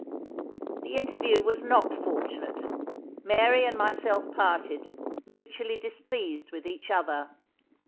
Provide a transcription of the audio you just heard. The interview was not fortunate. Mary and myself parted, mutually displeased with each other.